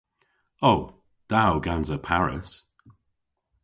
O. Da o gansa Paris.